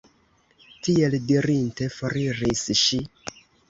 Tiel dirinte, foriris ŝi.